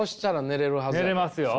寝れますよ。